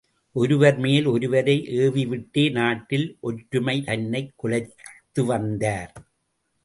ஒருவர்மேல் ஒருவரை ஏவிவிட்டே நாட்டில் ஒற்றுமை தன்னைக் குலைத்துவந்தார்.